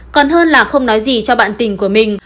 còn hơn là không nói gì cho bạn tình của mình